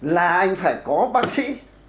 là anh phải có bác sĩ